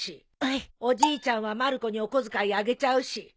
おじいちゃんはまる子にお小遣いあげちゃうし。